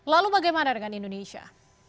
lalu bagaimana dengan indonesia